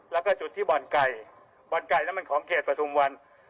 แล้วก็จุดที่บ่อนไก่บ่อนไก่น้ำมันของเขตประทุมวัน